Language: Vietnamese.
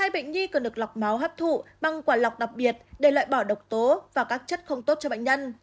hai bệnh nhi cần được lọc máu hấp thụ bằng quả lọc đặc biệt để loại bỏ độc tố và các chất không tốt cho bệnh nhân